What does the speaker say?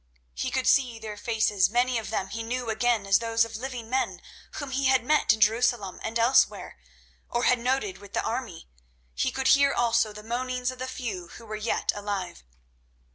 He could see their faces, many of them he knew again as those of living men whom he had met in Jerusalem and elsewhere, or had noted with the army. He could hear also the moanings of the few who were yet alive.